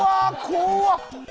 怖っ！